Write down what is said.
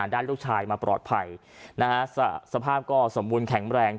ด้านลูกชายมาปลอดภัยสภาพก็สมบูรณ์แข็งแรง